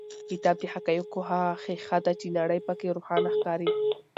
کتاب د حقایقو هغه ښیښه ده چې نړۍ په کې روښانه ښکاري.